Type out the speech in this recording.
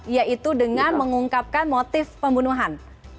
yaitu dengan mengungkapkan motif pembunuhan